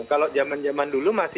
kalau zaman zaman dulu